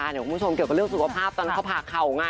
เดี๋ยวคุณผู้ชมเกี่ยวกับเรื่องสุขภาพตอนเขาผ่าเข่าไง